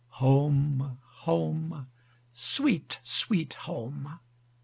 Home, Home, sweet, sweet Home!